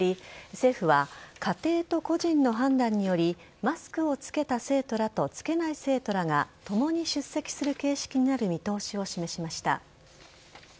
政府は家庭と個人の判断によりマスクをつける生徒らとつけない生徒らがともに出席する形式になる見通しを示しました。